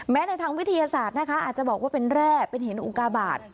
ในทางวิทยาศาสตร์นะคะอาจจะบอกว่าเป็นแร่เป็นหินอุกาบาท